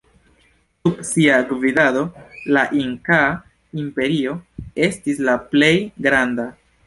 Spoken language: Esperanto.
Sub sia gvidado la inkaa imperio estis la plej granda.